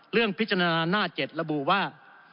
เรื่องพิจารณาหน้า๗ระบูว่า